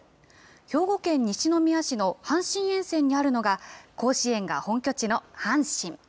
兵庫県西宮市の阪神沿線にあるのが、甲子園が本拠地の阪神。